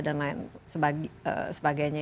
dan lain sebagainya